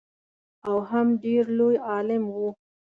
او هم ډېر لوی عالم و.